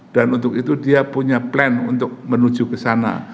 dan untuk itu dia punya plan untuk menuju ke sana